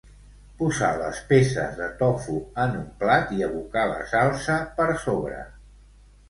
Posar les peces de tofu en un plat i abocar la salsa per sobre.